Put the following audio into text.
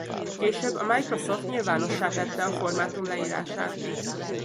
Később a Microsoft nyilvánossá tette a formátum leírását.